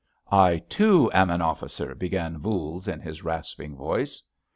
"I, too, am an officer," began Voules in his rasping voice.